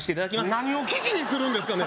何を記事にするんですかね